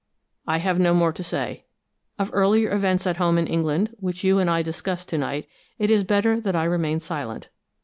I have no more to say. Of earlier events at home in England, which you and I discussed to night, it is better that I remain silent.